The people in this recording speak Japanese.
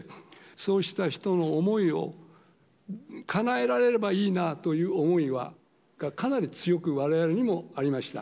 そうした人の思いを、かなえられればいいなという思いは、かなり強くわれわれにもありました。